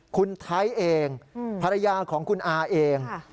คุณไทยเองภรรยาของคุณอาเอง